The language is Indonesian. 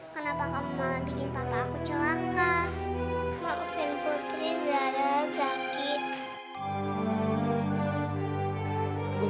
kenapa kamu malah bikin papa aku celaka